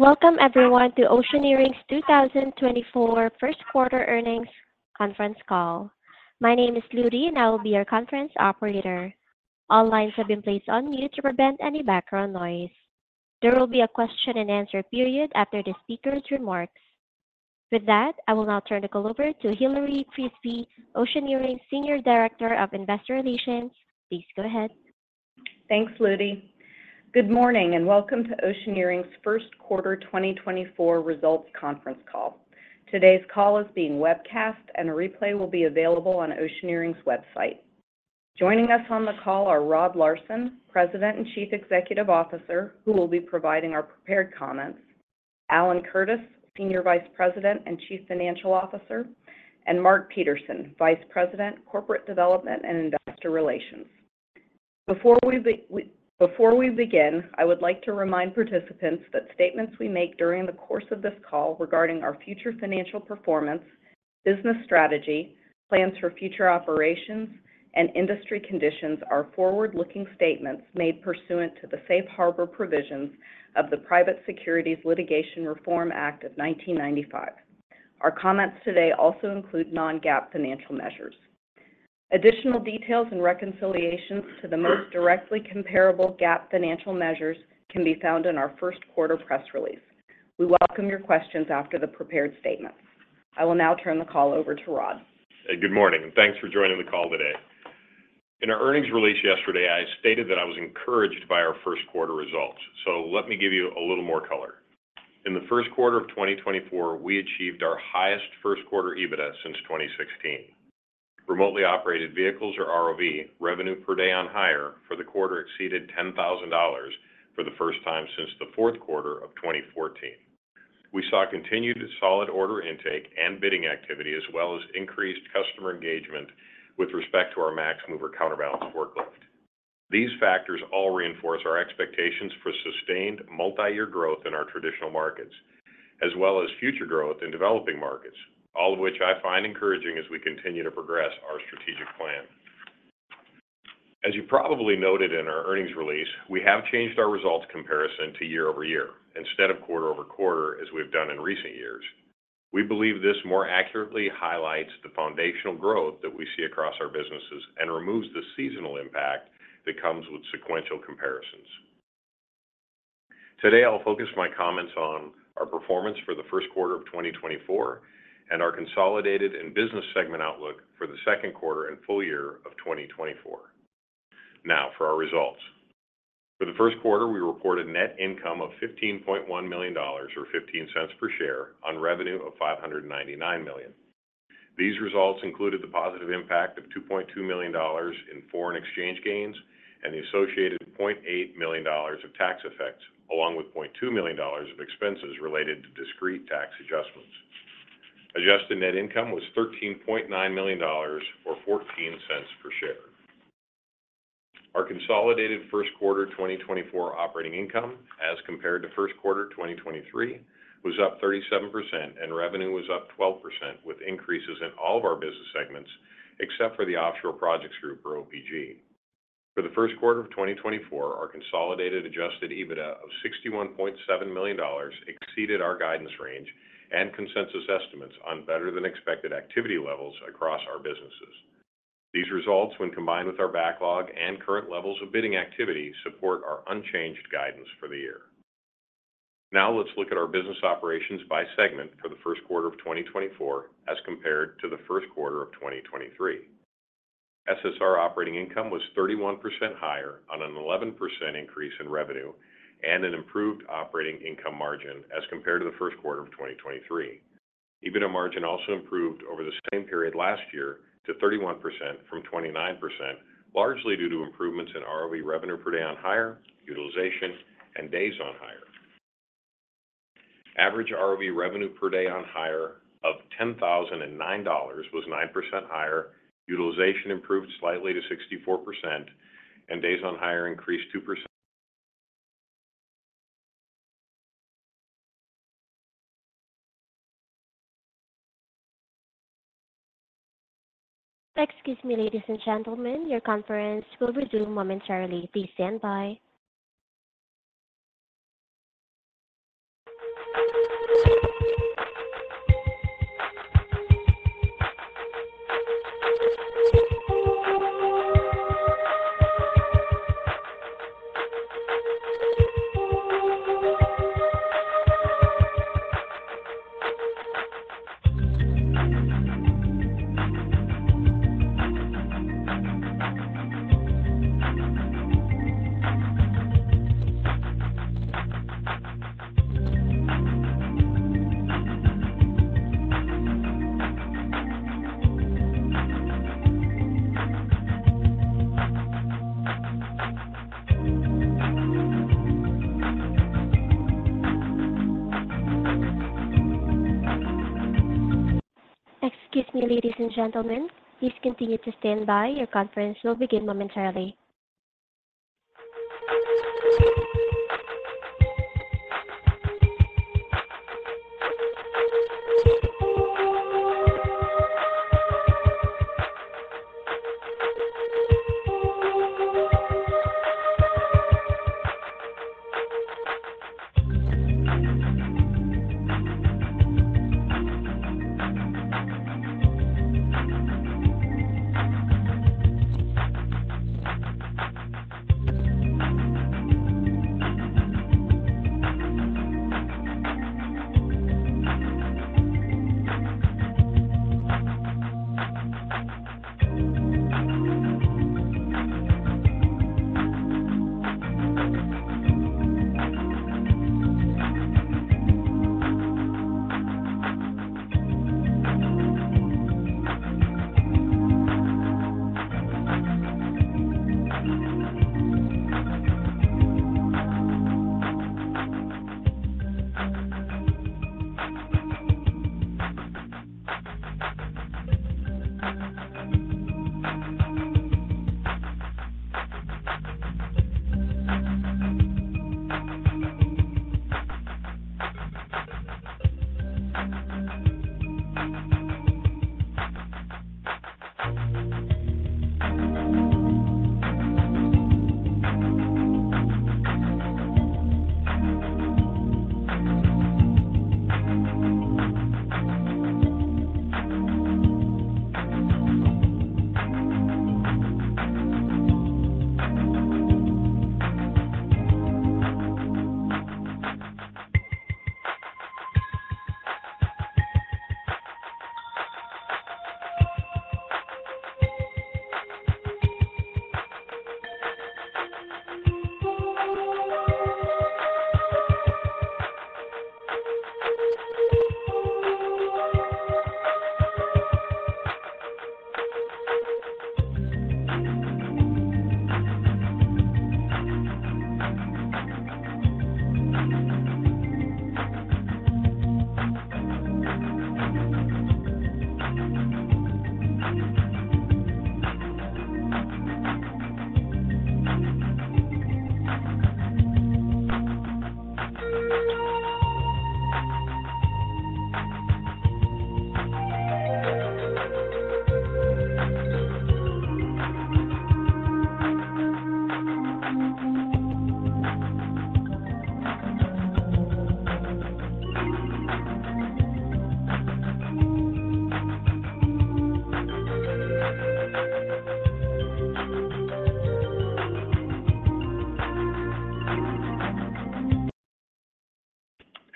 Welcome everyone to Oceaneering's 2024 Q1 earnings conference call. My name is Ludy, and I will be your conference operator. All lines have been placed on mute to prevent any background noise. There will be a question and answer period after the speaker's remarks. With that, I will now turn the call over to Hilary Frisbie, Oceaneering Senior Director of Investor Relations. Please go ahead. Thanks, Ludy. Good morning, and welcome to Oceaneering's Q1 2024 results conference call. Today's call is being webcast, and a replay will be available on Oceaneering's website. Joining us on the call are Rod Larson, President and Chief Executive Officer, who will be providing our prepared comments, Alan Curtis, Senior Vice President and Chief Financial Officer, and Mark Peterson, Vice President, Corporate Development and Investor Relations. Before we begin, I would like to remind participants that statements we make during the course of this call regarding our future financial performance, business strategy, plans for future operations, and industry conditions are forward-looking statements made pursuant to the Safe Harbor Provisions of the Private Securities Litigation Reform Act of 1995. Our comments today also include non-GAAP financial measures. Additional details and reconciliations to the most directly comparable GAAP financial measures can be found in our Q1 press release. We welcome your questions after the prepared statements. I will now turn the call over to Rod. Good morning, and thanks for joining the call today. In our earnings release yesterday, I stated that I was encouraged by our Q1 results. Let me give you a little more color. In the Q1 of 2024, we achieved our highest Q1 EBITDA since 2016. Remotely operated vehicles or ROV revenue per day on hire for the quarter exceeded $10,000 for the first time since the Q4 of 2014. We saw continued solid order intake and bidding activity, as well as increased customer engagement with respect to our MaxMover counterbalance forklift. These factors all reinforce our expectations for sustained multi-year growth in our traditional markets, as well as future growth in developing markets, all of which I find encouraging as we continue to progress our strategic plan. As you probably noted in our earnings release, we have changed our results comparison to year-over-year instead of quarter-over-quarter, as we've done in recent years. We believe this more accurately highlights the foundational growth that we see across our businesses and removes the seasonal impact that comes with sequential comparisons. Today, I'll focus my comments on our performance for the Q1 of 2024 and our consolidated and business segment outlook for the Q2 and full year of 2024. Now, for our results. For the Q1, we reported net income of $15.1 million or $0.15 per share on revenue of $599 million. These results included the positive impact of $2.2 million in foreign exchange gains and the associated $0.8 million of tax effects, along with $0.2 million of expenses related to discrete tax adjustments. Adjusted net income was $13.9 million or $0.14 per share. Our consolidated Q1 operating income, as compared to Q1 2023, was up 37%, and revenue was up 12%, with increases in all of our business segments, except for the Offshore Projects Group or OPG. For the Q1 of 2024, our consolidated adjusted EBITDA of $61.7 million exceeded our guidance range and consensus estimates on better-than-expected activity levels across our businesses. These results, when combined with our backlog and current levels of bidding activity, support our unchanged guidance for the year. Now, let's look at our business operations by segment for the Q1 of 2024 as compared to the Q1 of 2023. SSR operating income was 31 higher on an 11% increase in revenue and an improved operating income margin as compared to the Q1 of 2023. EBITDA margin also improved over the same period last year to 31% from 29%, largely due to improvements in ROV revenue per day on hire, utilization, and days on hire. Average ROV revenue per day on hire of $10,009 was 9% higher. Utilization improved slightly to 64%, and days on hire increased 2%. Excuse me, ladies and gentlemen, your conference will resume momentarily. Please stand by. Excuse me, ladies and gentlemen, please continue to stand by. Your conference will begin momentarily.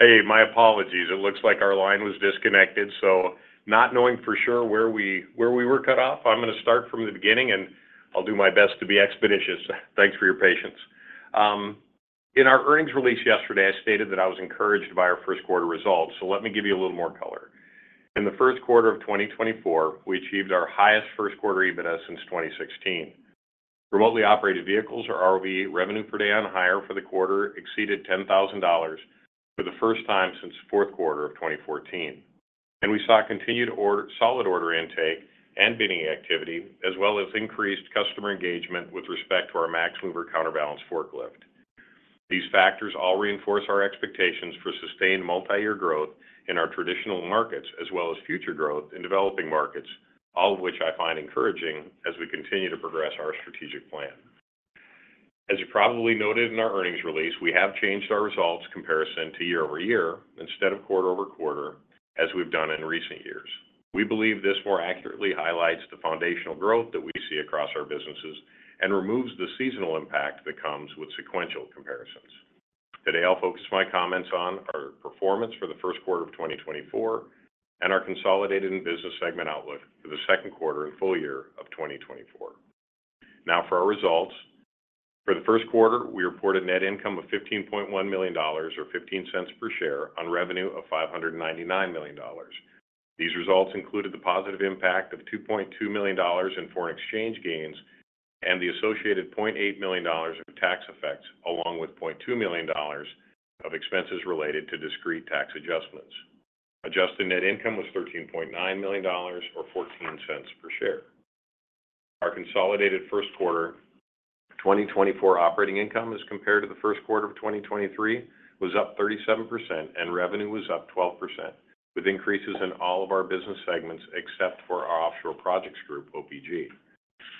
Hey, my apologies. It looks like our line was disconnected, so not knowing for sure where we were cut off, I'm going to start from the beginning, and I'll do my best to be expeditious. Thanks for your patience. In our earnings release yesterday, I stated that I was encouraged by our Q1 results. So let me give you a little more color. In the Q1 of 2024, we achieved our highest Q1 EBITDA since 2016. Remotely operated vehicles, or ROV, revenue per day on hire for the quarter exceeded $10,000 for the first time since the Q4 of 2014. And we saw continued or solid order intake and bidding activity, as well as increased customer engagement with respect to our MaxMover counterbalance forklift. These factors all reinforce our expectations for sustained multi-year growth in our traditional markets, as well as future growth in developing markets, all of which I find encouraging as we continue to progress our strategic plan. As you probably noted in our earnings release, we have changed our results comparison to year-over-year instead of quarter-over-quarter, as we've done in recent years. We believe this more accurately highlights the foundational growth that we see across our businesses and removes the seasonal impact that comes with sequential comparisons. Today, I'll focus my comments on our performance for the Q1 of 2024 and our consolidated and business segment outlook for the Q2 and full year of 2024. Now for our results. For the Q1, we reported net income of $15.1 million or $0.15 per share on revenue of $599 million. These results included the positive impact of $2.2 million in foreign exchange gains and the associated $0.8 million of tax effects, along with $0.2 million of expenses related to discrete tax adjustments. Adjusted net income was $13.9 million or $0.14 per share. Our consolidated Q1 2024 operating income as compared to the Q1 of 2023 was up 37%, and revenue was up 12%, with increases in all of our business segments except for our Offshore Projects Group, OPG.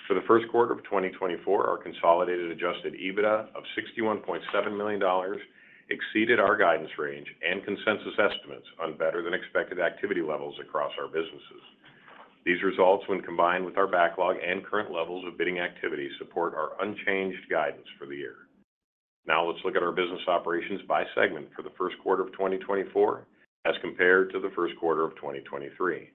For the Q1 of 2024, our consolidated adjusted EBITDA of $61.7 million exceeded our guidance range and consensus estimates on better-than-expected activity levels across our businesses. These results, when combined with our backlog and current levels of bidding activity, support our unchanged guidance for the year. Now, let's look at our business operations by segment for the Q1 of 2024 as compared to the Q1 of 2023.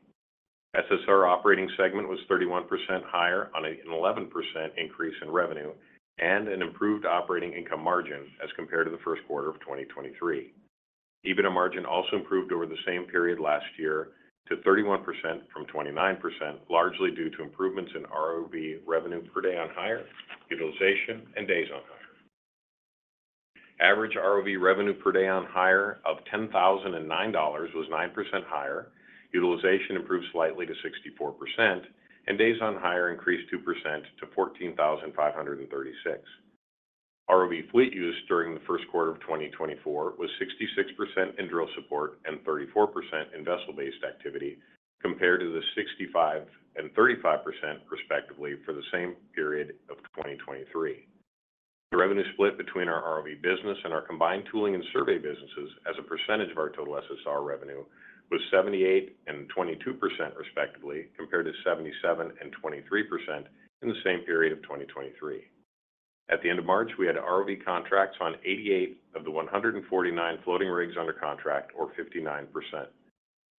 SSR operating segment was 31% higher on an 11% increase in revenue and an improved operating income margin as compared to the Q1 of 2023. EBITDA margin also improved over the same period last year to 31% from 29%, largely due to improvements in ROV revenue per day on hire, utilization, and days on hire. Average ROV revenue per day on hire of $10,009 was 9% higher. Utilization improved slightly to 64%, and days on hire increased 2% to 14,536. ROV fleet use during the Q1 of 2024 was 66% in drill support and 34% in vessel-based activity, compared to the 65% and 35%, respectively, for the same period of 2023. The revenue split between our ROV business and our combined tooling and survey businesses as a percentage of our total SSR revenue, was 78% and 22%, respectively, compared to 77% and 23% in the same period of 2023. At the end of March, we had ROV contracts on 88 of the 149 floating rigs under contract, or 59%.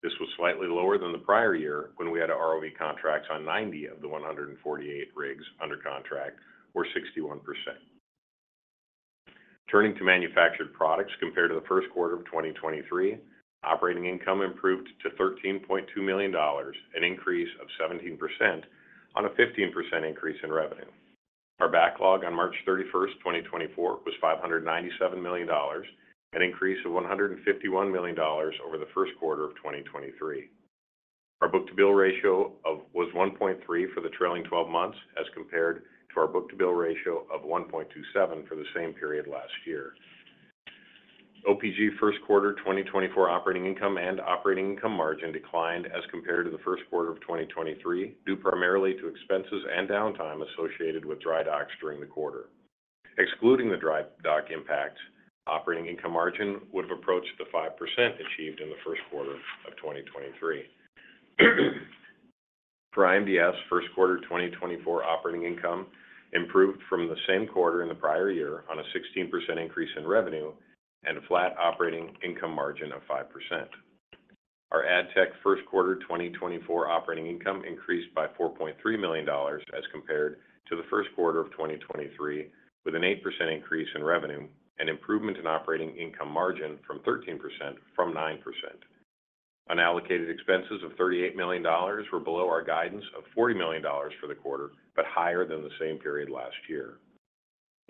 This was slightly lower than the prior year, when we had ROV contracts on 90 of the 148 rigs under contract, or 61%. Turning to Manufactured Products, compared to the Q1 of 2023, operating income improved to $13.2 million, an increase of 17% on a 15% increase in revenue. Our backlog on March 31, 2024, was $597 million, an increase of $151 million over the Q1 of 2023. Our book-to-bill ratio of was 1.3 for the trailing twelve months, as compared to our book-to-bill ratio of 1.27 for the same period last year. OPG Q1 2024 operating income and operating income margin declined as compared to the Q1 of 2023, due primarily to expenses and downtime associated with dry docks during the quarter. Excluding the dry dock impact, operating income margin would have approached the 5% achieved in the Q1 of 2023. For IMDS, Q1 2024 operating income improved from the same quarter in the prior year on a 16% increase in revenue and a flat operating income margin of 5%. Our ADTech Q1 2024 operating income increased by $4.3 million as compared to the Q1 of 2023, with an 8% increase in revenue and improvement in operating income margin from 13% to 9%. Unallocated expenses of $38 million were below our guidance of $40 million for the quarter, but higher than the same period last year.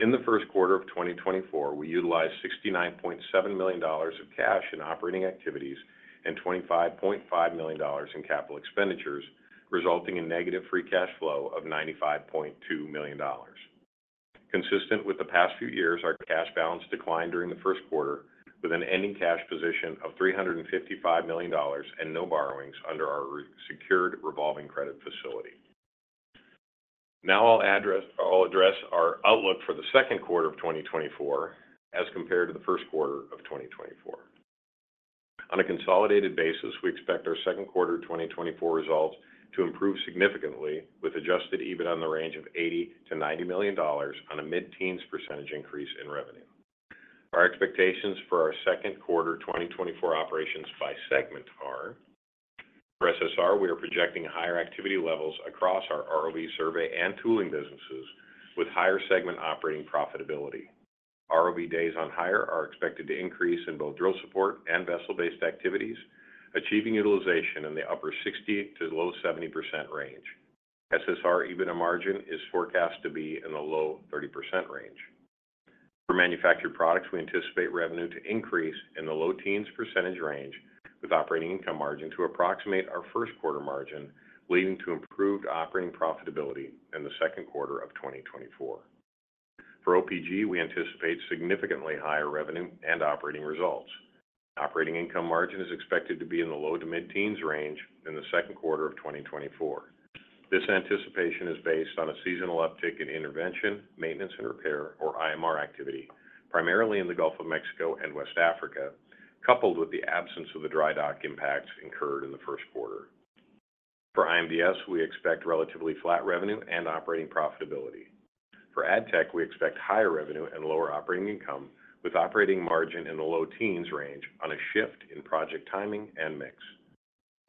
In the Q1 of 2024, we utilized $69.7 million of cash in operating activities and $25.5 million in capital expenditures, resulting in negative free cash flow of $95.2 million. Consistent with the past few years, our cash balance declined during the Q1, with an ending cash position of $355 million and no borrowings under our secured revolving credit facility. Now I'll address our outlook for the Q2 of 2024 as compared to the Q1 of 2024. On a consolidated basis, we expect our Q2 2024 results to improve significantly, with adjusted EBIT in the range of $80 million-$90 million on a mid-teens % increase in revenue. Our expectations for our Q2 2024 operations by segment are: for SSR, we are projecting higher activity levels across our ROV survey and tooling businesses, with higher segment operating profitability. ROV days on hire are expected to increase in both drill support and vessel-based activities, achieving utilization in the upper 60- to low 70% range. SSR EBITDA margin is forecast to be in the low 30% range. For Manufactured Products, we anticipate revenue to increase in the low teens % range, with operating income margin to approximate our Q1 margin, leading to improved operating profitability in the Q2 of 2024. For OPG, we anticipate significantly higher revenue and operating results. Operating income margin is expected to be in the low-to-mid teens % range in the Q2 of 2024. This anticipation is based on a seasonal uptick in intervention, maintenance and repair, or IMR, activity, primarily in the Gulf of Mexico and West Africa, coupled with the absence of the dry dock impacts incurred in the Q1. For IMDS, we expect relatively flat revenue and operating profitability. For ADTech, we expect higher revenue and lower operating income, with operating margin in the low-teens% range on a shift in project timing and mix.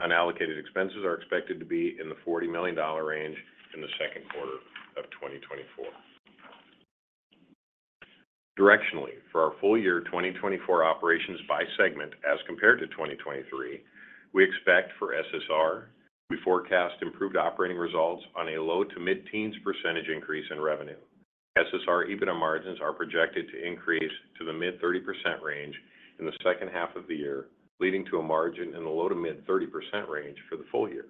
Unallocated expenses are expected to be in the $40 million range in the Q2 of 2024. Directionally, for our full year 2024 operations by segment as compared to 2023, we expect for SSR, we forecast improved operating results on a low- to mid-teens% increase in revenue. SSR EBIT margins are projected to increase to the mid-30% range in the H2 of the year, leading to a margin in the low- to mid-30% range for the full year.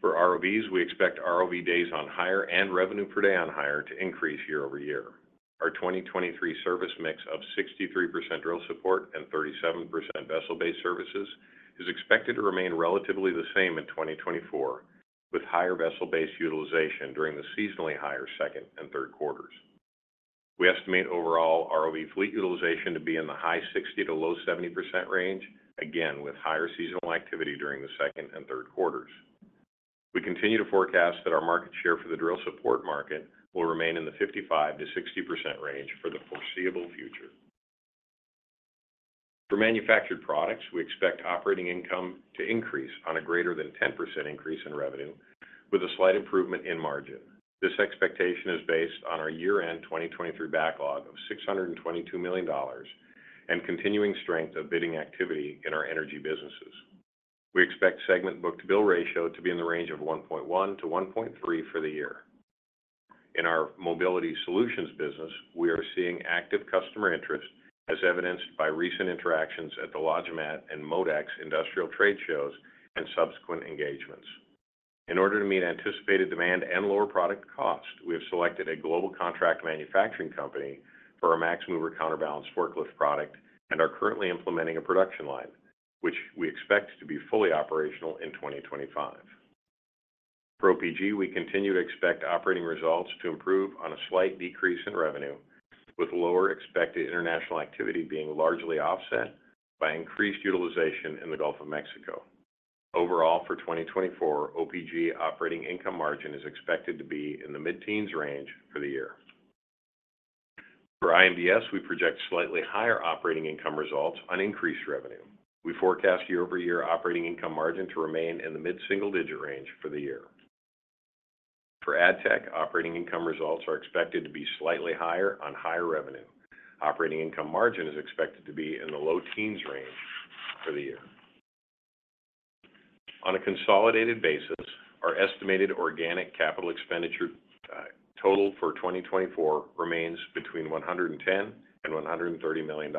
For ROVs, we expect ROV days on hire and revenue per day on hire to increase year-over-year. Our 2023 service mix of 63% drill support and 37% vessel-based services is expected to remain relatively the same in 2024, with higher vessel-based utilization during the seasonally higher second and Q3s. We estimate overall ROV fleet utilization to be in the high 60 to low 70 percent range, again, with higher seasonal activity during the second and Q3s. We continue to forecast that our market share for the drill support market will remain in the 55%-60% range for the foreseeable future. For manufactured products, we expect operating income to increase on a greater than 10% increase in revenue, with a slight improvement in margin. This expectation is based on our year-end 2023 backlog of $622 million and continuing strength of bidding activity in our energy businesses. We expect segment book-to-bill ratio to be in the range of 1.1-1.3 for the year. In our mobility solutions business, we are seeing active customer interest as evidenced by recent interactions at the LogiMAT and MODEX trade shows and subsequent engagements.... In order to meet anticipated demand and lower product cost, we have selected a global contract manufacturing company for our MaxMover counterbalance forklift product and are currently implementing a production line, which we expect to be fully operational in 2025. For OPG, we continue to expect operating results to improve on a slight decrease in revenue, with lower expected international activity being largely offset by increased utilization in the Gulf of Mexico. Overall, for 2024, OPG operating income margin is expected to be in the mid-teens range for the year. For IMDS, we project slightly higher operating income results on increased revenue. We forecast year-over-year operating income margin to remain in the mid-single digit range for the year. For ADTech, operating income results are expected to be slightly higher on higher revenue. Operating income margin is expected to be in the low teens range for the year. On a consolidated basis, our estimated organic capital expenditure total for 2024 remains between $110 million and $130 million.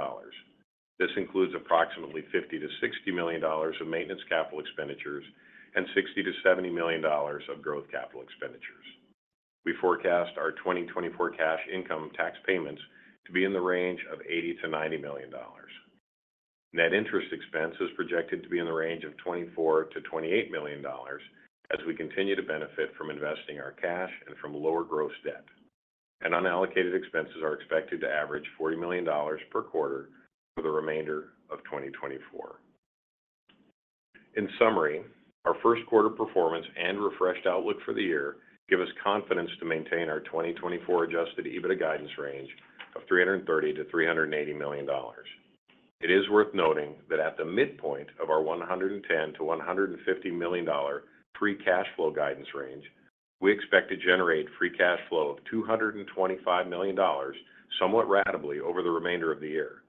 This includes approximately $50 million-$60 million of maintenance capital expenditures and $60 million-$70 million of growth capital expenditures. We forecast our 2024 cash income tax payments to be in the range of $80 million-$90 million. Net interest expense is projected to be in the range of $24-$28 million, as we continue to benefit from investing our cash and from lower gross debt. Unallocated expenses are expected to average $40 million per quarter for the remainder of 2024. In summary, our Q1 performance and refreshed outlook for the year give us confidence to maintain our 2024 adjusted EBITDA guidance range of $330 million-$380 million. It is worth noting that at the midpoint of our $110-$150 million free cash flow guidance range, we expect to generate free cash flow of $225 million, somewhat ratably over the remainder of the year.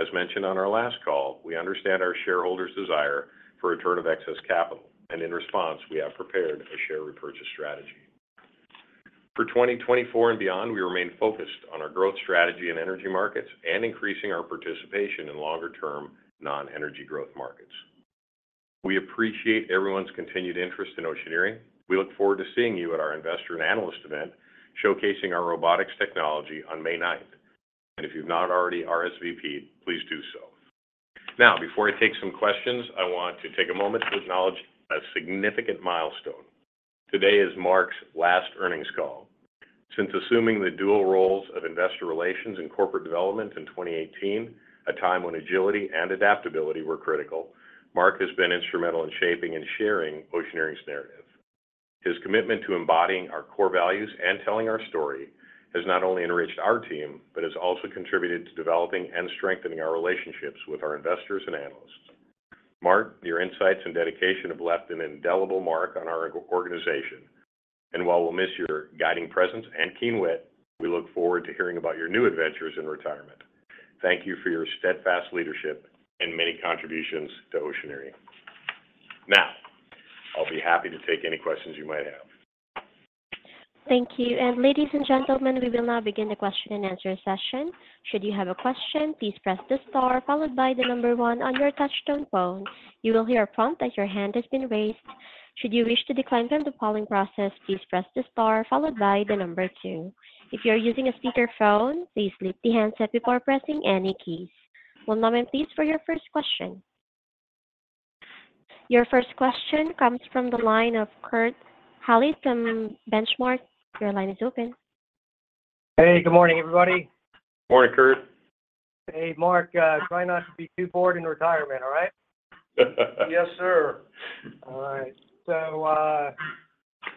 As mentioned on our last call, we understand our shareholders' desire for return of excess capital, and in response, we have prepared a share repurchase strategy. For 2024 and beyond, we remain focused on our growth strategy in energy markets and increasing our participation in longer-term non-energy growth markets. We appreciate everyone's continued interest in Oceaneering. We look forward to seeing you at our Investor and Analyst event, showcasing our robotics technology on May ninth. And if you've not already RSVP'd, please do so. Now, before I take some questions, I want to take a moment to acknowledge a significant milestone. Today is Mark's last earnings call. Since assuming the dual roles of Investor Relations and Corporate Development in 2018, a time when agility and adaptability were critical, Mark has been instrumental in shaping and sharing Oceaneering's narrative. His commitment to embodying our core values and telling our story has not only enriched our team, but has also contributed to developing and strengthening our relationships with our investors and analysts. Mark, your insights and dedication have left an indelible mark on our organization, and while we'll miss your guiding presence and keen wit, we look forward to hearing about your new adventures in retirement. Thank you for your steadfast leadership and many contributions to Oceaneering. Now, I'll be happy to take any questions you might have. Thank you. Ladies and gentlemen, we will now begin the question and answer session. Should you have a question, please press the star followed by the number one on your touchtone phone. You will hear a prompt that your hand has been raised. Should you wish to decline from the polling process, please press the star followed by the number two. If you are using a speakerphone, please leave the handset before pressing any keys. One moment, please, for your first question. Your first question comes from the line of Kurt Hallead from The Benchmark Company. Your line is open. Hey, good morning, everybody. Morning, Kurt. Hey, Mark, try not to be too bored in retirement, all right? Yes, sir. All right. So,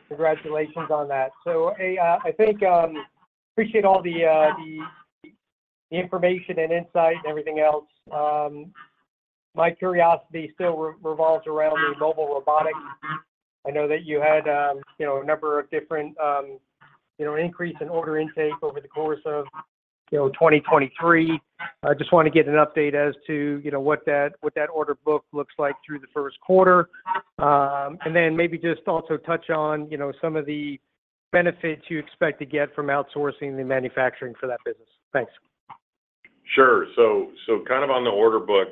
congratulations on that. So, hey, I think, appreciate all the information and insight and everything else. My curiosity still revolves around your mobile robotics. I know that you had, you know, a number of different, you know, increase in order intake over the course of, you know, 2023. I just want to get an update as to, you know, what that order book looks like through the Q1. And then maybe just also touch on, you know, some of the benefits you expect to get from outsourcing the manufacturing for that business. Thanks. Sure. So kind of on the order book,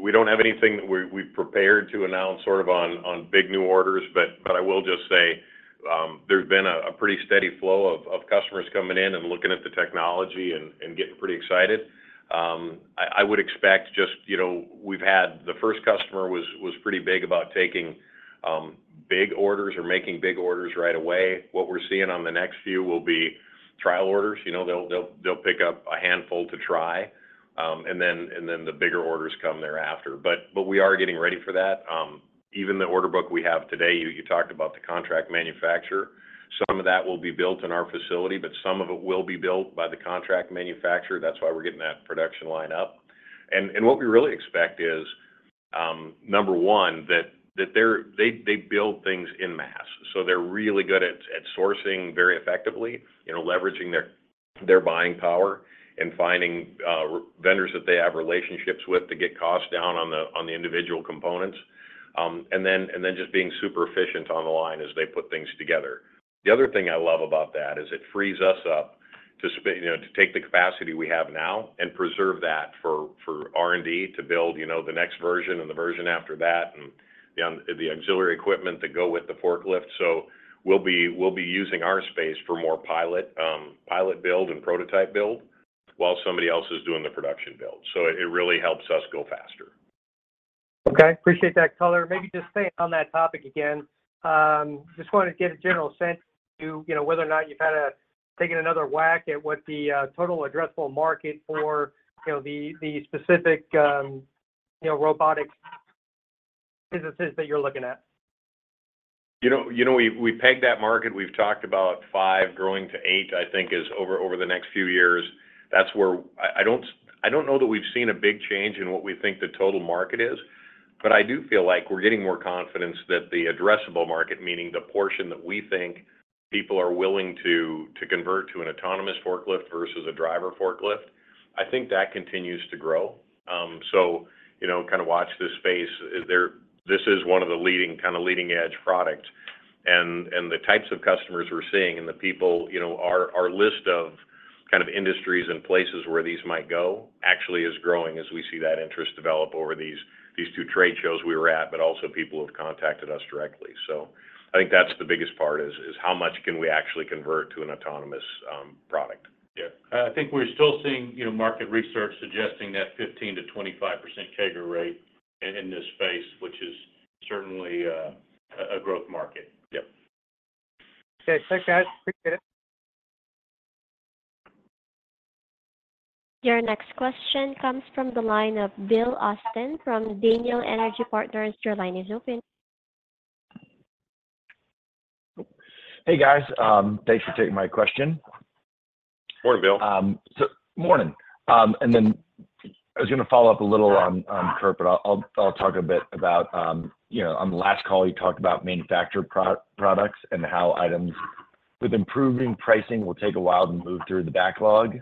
we don't have anything that we've prepared to announce sort of on big new orders, but I will just say, there's been a pretty steady flow of customers coming in and looking at the technology and getting pretty excited. I would expect just, you know, we've had... The first customer was pretty big about taking big orders or making big orders right away. What we're seeing on the next few will be trial orders. You know, they'll pick up a handful to try, and then the bigger orders come thereafter. But we are getting ready for that. Even the order book we have today, you talked about the contract manufacturer. Some of that will be built in our facility, but some of it will be built by the contract manufacturer. That's why we're getting that production line up. And what we really expect is, number one, that they build things en masse, so they're really good at sourcing very effectively, you know, leveraging their buying power and finding vendors that they have relationships with to get costs down on the individual components. And then just being super efficient on the line as they put things together. The other thing I love about that is it frees us up-... You know, to take the capacity we have now and preserve that for R&D to build, you know, the next version and the version after that, and the auxiliary equipment that go with the forklift. So we'll be using our space for more pilot build and prototype build, while somebody else is doing the production build. So it really helps us go faster. Okay. Appreciate that color. Maybe just staying on that topic again, just wanted to get a general sense to, you know, whether or not you've had taken another whack at what the total addressable market for, you know, the, the specific, you know, robotics businesses that you're looking at? You know, we've pegged that market. We've talked about 5 growing to 8, I think, over the next few years. That's where... I don't know that we've seen a big change in what we think the total market is, but I do feel like we're getting more confidence that the addressable market, meaning the portion that we think people are willing to convert to an autonomous forklift versus a driver forklift, I think that continues to grow. So, you know, kind of watch this space. This is one of the leading, kind of, leading-edge products. And the types of customers we're seeing and the people, you know, our list of kind of industries and places where these might go actually is growing as we see that interest develop over these two trade shows we were at, but also people who have contacted us directly. So I think that's the biggest part, is how much can we actually convert to an autonomous product? Yeah. I think we're still seeing, you know, market research suggesting that 15-25% CAGR rate in this space, which is certainly a growth market. Yep. Okay. Thanks, guys. Appreciate it. Your next question comes from the line of Bill Austin from Daniel Energy Partners. Your line is open. Hey, guys. Thanks for taking my question. Morning, Bill. Morning. Then I was gonna follow up a little on Kurt, but I'll talk a bit about, you know, on the last call, you talked about Manufactured Products and how items with improving pricing will take a while to move through the backlog.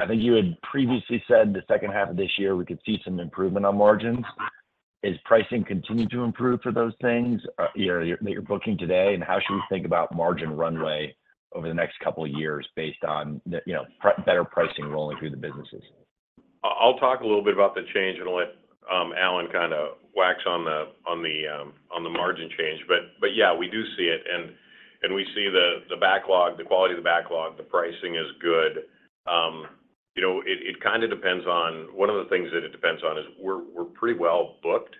I think you had previously said the H2 of this year, we could see some improvement on margins. Is pricing continuing to improve for those things, you know, that you're booking today? And how should we think about margin runway over the next couple of years based on the, you know, better pricing rolling through the businesses? I'll talk a little bit about the change and let Alan kind of wax on the, on the, on the margin change. But yeah, we do see it, and we see the, the backlog, the quality of the backlog, the pricing is good. You know, it kind of depends on... One of the things that it depends on is we're pretty well booked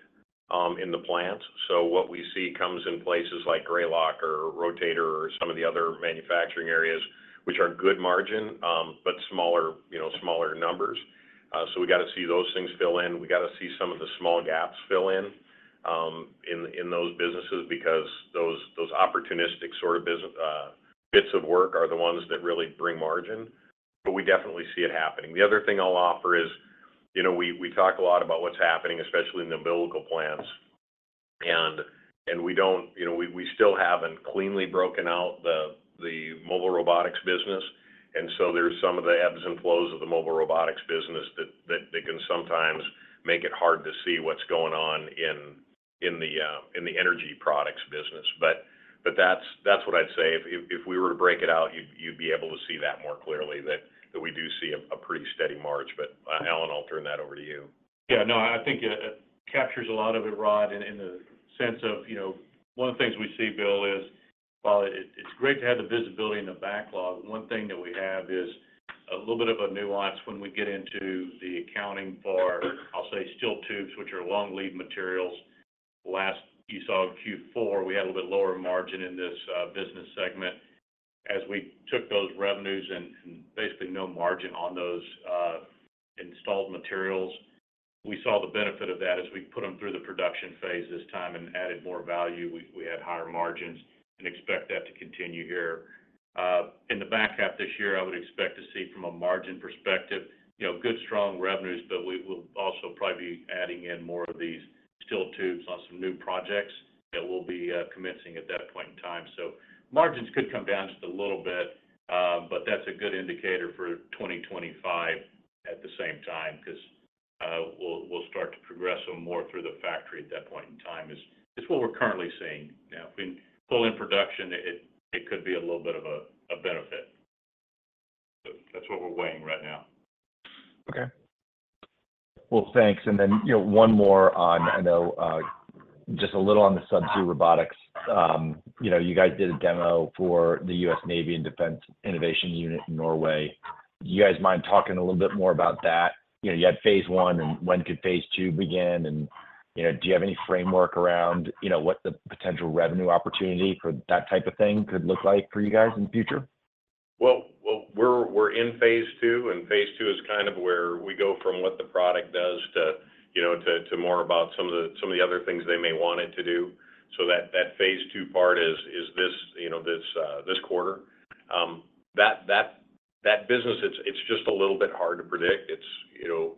in the plants. So what we see comes in places like Grayloc or Rotator or some of the other manufacturing areas, which are good margin, but smaller, you know, smaller numbers. So we got to see those things fill in. We got to see some of the small gaps fill in in those businesses because those opportunistic sort of business bits of work are the ones that really bring margin, but we definitely see it happening. The other thing I'll offer is, you know, we talk a lot about what's happening, especially in the umbilical plants, and we don't, you know, we still haven't cleanly broken out the mobile robotics business. And so there's some of the ebbs and flows of the mobile robotics business that can sometimes make it hard to see what's going on in the energy products business. But that's what I'd say. If we were to break it out, you'd be able to see that more clearly, that we do see a pretty steady march. But, Alan, I'll turn that over to you. Yeah, no, I think it captures a lot of it, Rod, in the sense of, you know, one of the things we see, Bill, is while it's great to have the visibility in the backlog, one thing that we have is a little bit of a nuance when we get into the accounting for, I'll say, steel tubes, which are long-lead materials. You saw in Q4, we had a little bit lower margin in this business segment. As we took those revenues and basically no margin on those installed materials, we saw the benefit of that as we put them through the production phase this time and added more value. We had higher margins and expect that to continue here. In the back half this year, I would expect to see from a margin perspective, you know, good, strong revenues, but we will also probably be adding in more of these steel tubes on some new projects that we'll be commencing at that point in time. So margins could come down just a little bit, but that's a good indicator for 2025 at the same time, 'cause we'll, we'll start to progress them more through the factory at that point in time, is, is what we're currently seeing now. In full in production, it, it could be a little bit of a, a benefit. So that's what we're weighing right now. Okay. Well, thanks. And then, you know, one more on, I know, just a little on the Subsea Robotics. You know, you guys did a demo for the U.S. Navy and Defense Innovation Unit in Norway. Do you guys mind talking a little bit more about that? You know, you had phase one, and when could phase two begin? And, you know, do you have any framework around, you know, what the potential revenue opportunity for that type of thing could look like for you guys in the future? Well, we're in phase two, and phase two is kind of where we go from what the product does to, you know, to more about some of the other things they may want it to do. So that phase two part is this, you know, this quarter. That business, it's just a little bit hard to predict. It's, you know,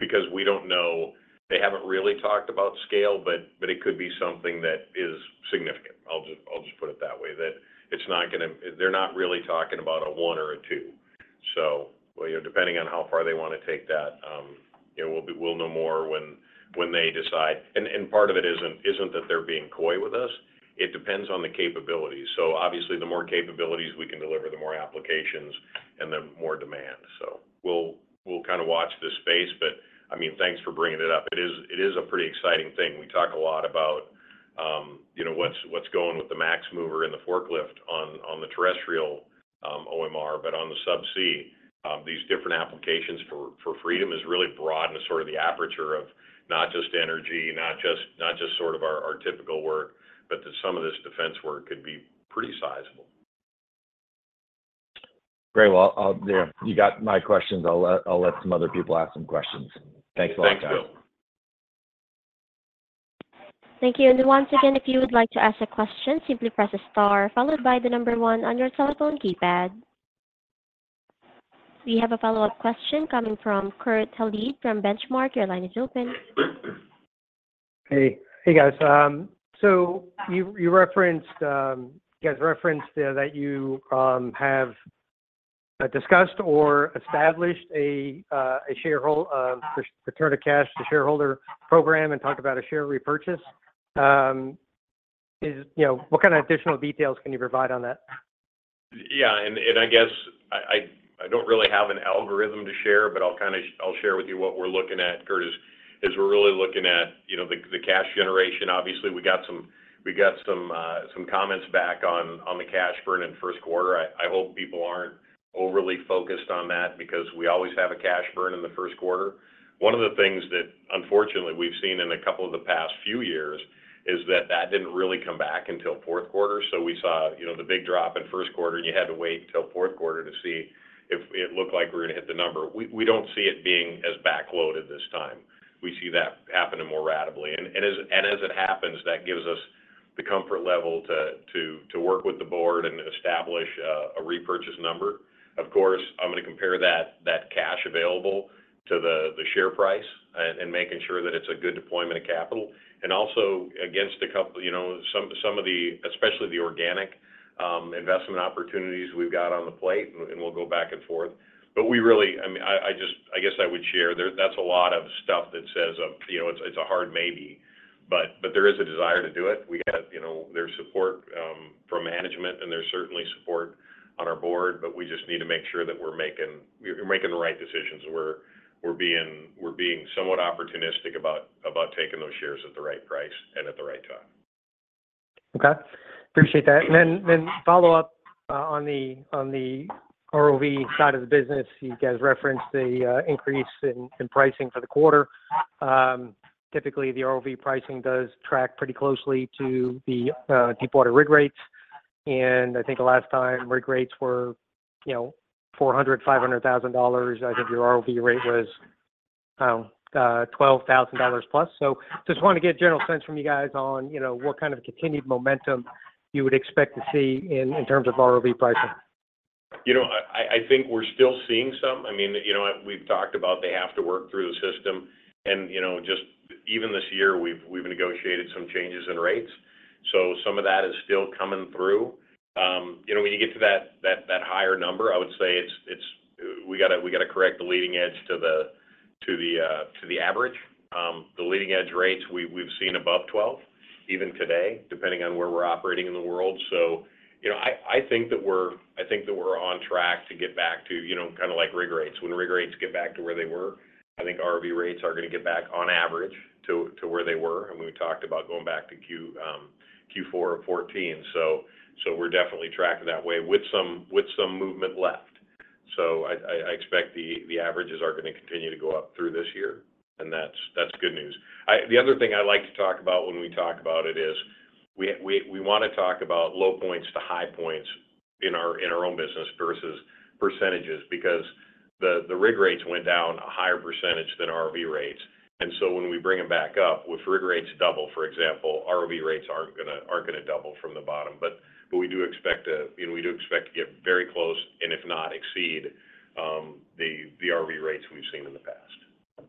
because we don't know. They haven't really talked about scale, but it could be something that is significant. I'll just put it that way, that it's not gonna—they're not really talking about a one or a two. Well, you know, depending on how far they wanna take that, you know, we'll know more when they decide. Part of it isn't that they're being coy with us, it depends on the capabilities. So obviously, the more capabilities we can deliver, the more applications and the more demand. So we'll kind of watch this space, but I mean, thanks for bringing it up. It is a pretty exciting thing. We talk a lot about, you know, what's going with the MaxMover and the forklift on the terrestrial OMR, but on the subsea, these different applications for Freedom is really broadening sort of the aperture of not just energy, not just sort of our typical work, but that some of this defense work could be pretty sizable. Great. Well, I'll, yeah, you got my questions. I'll let, I'll let some other people ask some questions. Thanks a lot, guys. Thanks, Bill. Thank you. Once again, if you would like to ask a question, simply press star followed by the number one on your telephone keypad. We have a follow-up question coming from Kurt Hallead from Benchmark. Your line is open. Hey, hey, guys. So you, you referenced, you guys referenced, that you have discussed or established a shareholder return of cash to shareholder program and talked about a share repurchase. Is... You know, what kind of additional details can you provide on that? Yeah, I guess I don't really have an algorithm to share, but I'll kind of share with you what we're looking at, Kurt, is we're really looking at, you know, the cash generation. Obviously, we got some comments back on the cash burn in Q1. I hope people aren't overly focused on that because we always have a cash burn in the Q1. One of the things that, unfortunately, we've seen in a couple of the past few years is that that didn't really come back until Q4. So we saw, you know, the big drop in Q1, and you had to wait till Q4 to see if it looked like we're gonna hit the number. We don't see it being as backloaded this time. We see that happening more ratably. And as it happens, that gives us the comfort level to work with the board and establish a repurchase number. Of course, I'm gonna compare that cash available to the share price and making sure that it's a good deployment of capital, and also against a couple, you know, some of the, especially the organic investment opportunities we've got on the plate, and we'll go back and forth. But we really... I mean, I just, I guess I would share there, that's a lot of stuff that says, you know, it's a hard maybe, but there is a desire to do it. We got, you know, there's support from management, and there's certainly support on our board, but we just need to make sure that we're making the right decisions. We're being somewhat opportunistic about taking those shares at the right price and at the right time. Okay. Appreciate that. And then, then follow up on the ROV side of the business, you guys referenced the increase in pricing for the quarter. Typically, the ROV pricing does track pretty closely to the deepwater rig rates, and I think the last time rig rates were, you know, $400,000-$500,000, I think your ROV rate was $12,000 plus. So just wanted to get a general sense from you guys on, you know, what kind of continued momentum you would expect to see in terms of ROV pricing. You know, I think we're still seeing some. I mean, you know, we've talked about they have to work through the system and, you know, just even this year, we've negotiated some changes in rates, so some of that is still coming through. You know, when you get to that higher number, I would say it's—we gotta correct the leading edge to the average. The leading edge rates, we've seen above 12, even today, depending on where we're operating in the world. So, you know, I think that we're on track to get back to, you know, kind of like rig rates. When rig rates get back to where they were, I think ROV rates are gonna get back on average to where they were, and we talked about going back to Q4 of 2014. So we're definitely tracking that way with some movement left. So I expect the averages are gonna continue to go up through this year, and that's good news. I, the other thing I like to talk about when we talk about it is, we wanna talk about low points to high points in our own business versus percentages, because the rig rates went down a higher percentage than ROV rates. And so when we bring them back up, with rig rates double, for example, ROV rates aren't gonna double from the bottom. But we do expect to, you know, we do expect to get very close, and if not, exceed the ROV rates we've seen in the past.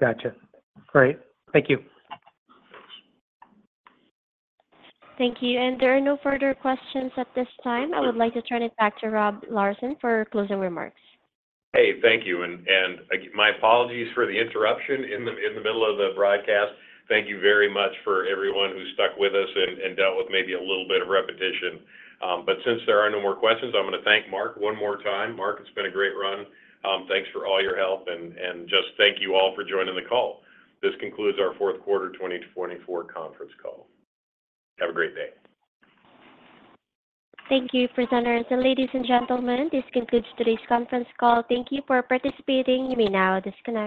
Gotcha. Great. Thank you. Thank you. There are no further questions at this time. I would like to turn it back to Rod Larson for closing remarks. Hey, thank you. And again, my apologies for the interruption in the middle of the broadcast. Thank you very much for everyone who stuck with us and dealt with maybe a little bit of repetition. But since there are no more questions, I'm gonna thank Mark one more time. Mark, it's been a great run. Thanks for all your help, and just thank you all for joining the call. This concludes our Q4 2024 conference call. Have a great day. Thank you, presenters. Ladies and gentlemen, this concludes today's conference call. Thank you for participating. You may now disconnect.